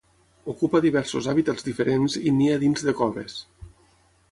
Ocupa diversos hàbitats diferents i nia dins de coves.